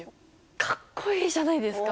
かっこいいじゃないですか！